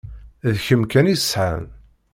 D kemm kan i sɛan.